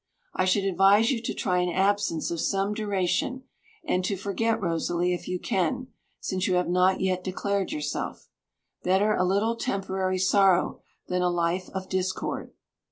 I should advise you to try an absence of some duration, and to forget Rosalie if you can, since you have not yet declared yourself. Better a little temporary sorrow than a life of discord.